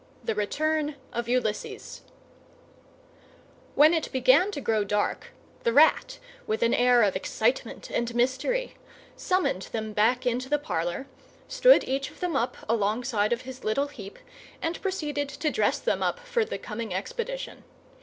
THE RETURN OF ULYSSES When it began to grow dark, the Rat, with an air of excitement and mystery, summoned them back into the parlour, stood each of them up alongside of his little heap, and proceeded to dress them up for the coming expedition.